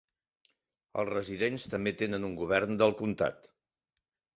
Els residents també tenen un govern del comtat.